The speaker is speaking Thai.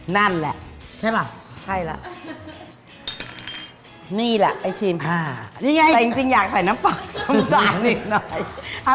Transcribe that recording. นั่นแหละใช่ป่ะใช่ล่ะนี่ละไปชิมจริงอยากใส่น้ำปลาอีกน้อย